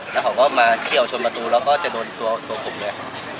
แล้วเขาก็มาเชี่ยวชนประตูแล้วก็จะโดนตัวผมเลย